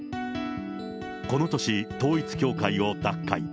この年、統一教会を脱会。